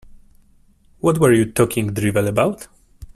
What were you talking drivel about?